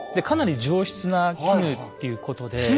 かなり上質な絹っていうことで。